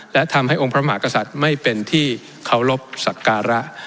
และทำให้องค์พระมหากษัตริย์ไม่เป็นที่เคารพสักการะ